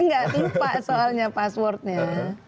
gak lupa soalnya passwordnya